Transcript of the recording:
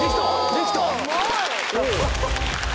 できたよ！